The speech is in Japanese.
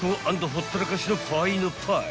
ほったらかしのパイのパイ］